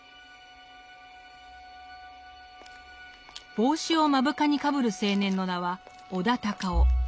帽子を目深にかぶる青年の名は尾田高雄。